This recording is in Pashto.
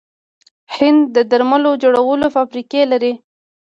هند د درملو جوړولو فابریکې لري.